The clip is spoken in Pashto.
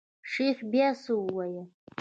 شيخ بيا څه وويل.